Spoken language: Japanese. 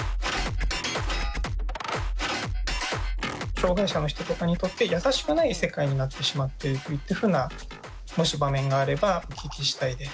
障害者の人とかにとって優しくない世界になってしまっていくっていうふうなもし場面があればお聞きしたいです。